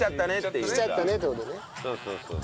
そうそうそうそう。